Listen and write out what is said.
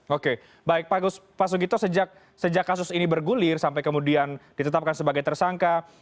oke baik pak sugito sejak kasus ini bergulir sampai kemudian ditetapkan sebagai tersangka